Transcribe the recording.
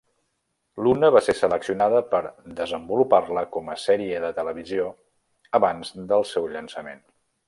"Luna" va ser seleccionada per desenvolupar-la com a sèrie de televisió abans del seu llançament.